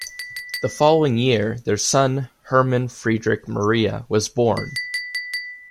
The following year, their son Hermann Friedrich Maria was born.